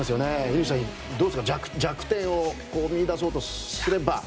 乾さん、どうですか弱点を見いだそうとすれば。